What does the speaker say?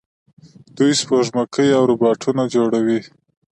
دوی سپوږمکۍ او روباټونه جوړوي.